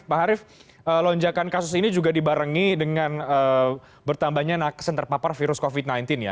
pak harif lonjakan kasus ini juga dibarengi dengan bertambahnya nakes yang terpapar virus covid sembilan belas ya